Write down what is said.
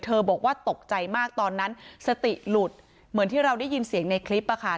บอกว่าตกใจมากตอนนั้นสติหลุดเหมือนที่เราได้ยินเสียงในคลิปอะค่ะ